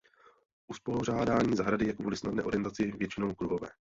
Uspořádání zahrady je kvůli snadné orientaci většinou kruhové.